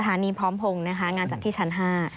สถานีพร้อมพงธ์งานจัดที่ชั้น๕